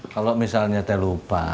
kalau misalnya teh lupa